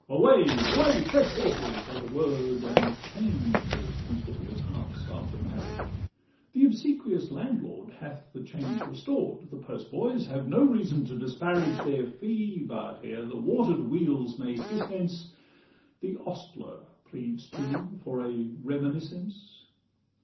Away! away! "Fresh horses!" are the word, And changed as quickly as hearts after marriage; The obsequious landlord hath the change restored; The postboys have no reason to disparage Their fee; but ere the water'd wheels may hiss hence, The ostler pleads too for a reminiscence.